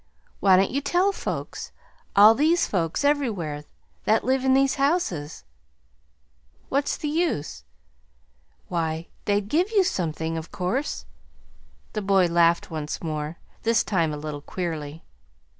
Why don't you tell folks all these folks everywhere, that live in these houses?" "What's the use?" "Why, they'd give you something, of course!" The boy laughed once more, this time a little queerly.